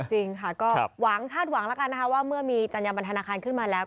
จริงค่ะก็หวังคาดหวังแล้วกันนะคะว่าเมื่อมีจัญญาบันธนาคารขึ้นมาแล้ว